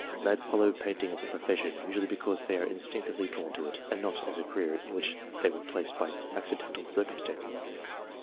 Lads follow painting as a profession usually because they are instinctively drawn to it, and not as a career in which they were placed by accidental circum stances.